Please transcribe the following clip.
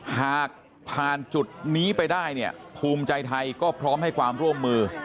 หากผ่านจุดนี้ไปได้เนี่ยภูมิใจไทยก็พร้อมให้ความร่วมมือ